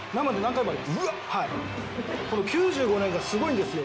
この９５年がすごいんですよ。